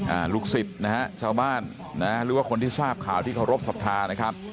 ลูกศิษย์นะฮะชาวบ้านนะหรือว่าคนที่ทราบข่าวที่เคารพสัทธานะครับ